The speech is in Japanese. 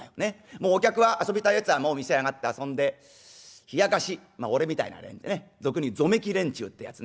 もうお客は遊びたいやつはもう店へ上がって遊んでひやかしまあ俺みたいな連中俗に言うぞめき連中ってやつね。